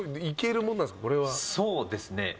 そうですね。